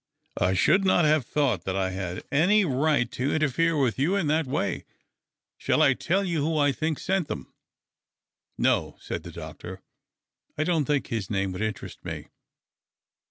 I should not have thought that I had any right to THE OCTAVE OF CLAUDIUS. 315 interfere with you in that way. Shall I tell you who I think sent them ?"" No," said the doctor, " I don't think his name would interest me.